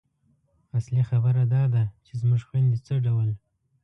اصلي خبره دا ده چې زموږ خویندې څه ډول